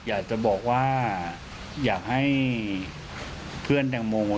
อยากจะบอกว่าอยากให้เพื่อนแตงโม